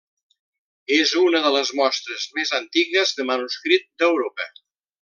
És una de les mostres més antigues de manuscrit d'Europa.